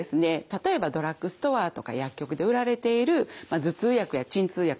例えばドラッグストアとか薬局で売られている頭痛薬や鎮痛薬